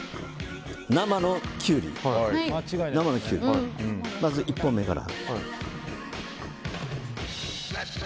生のキュウリ、まず１本目から。